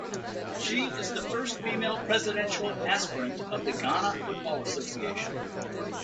She is the first female presidential aspirant of the Ghana Football Association.